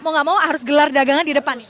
mau gak mau harus gelar dagangan di depan nih